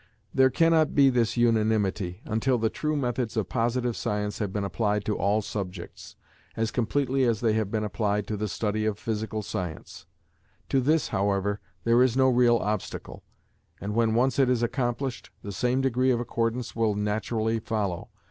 There cannot be this unanimity, until the true methods of positive science have been applied to all subjects, as completely as they have been applied to the study of physical science: to this, however, there is no real obstacle; and when once it is accomplished, the same degree of accordance will naturally follow.